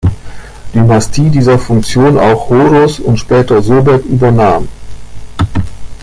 Dynastie diese Funktion auch Horus und später Sobek übernahm.